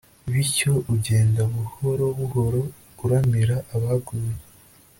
bityo ugenda buhoro buhoro uramira abaguye